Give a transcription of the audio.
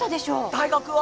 大学は？